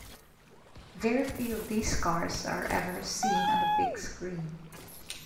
Very few of these cars are ever seen on the big screen.